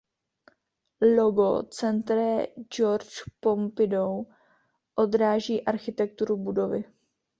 Logo Centre George Pompidou odráží architekturu budovy.